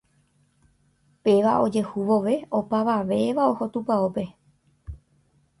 Péva ojehu vove opavavéva oho tupãópe